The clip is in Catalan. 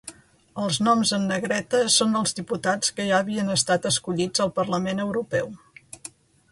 Els noms en negreta són els diputats que ja havien estat escollits al Parlament Europeu.